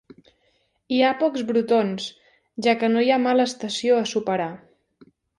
Hi ha pocs brotons, ja que no hi ha mala estació a superar.